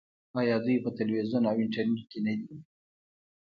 آیا دوی په تلویزیون او انټرنیټ کې نه دي؟